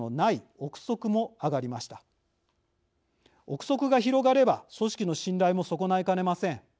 臆測が広がれば組織の信頼も損ないかねません。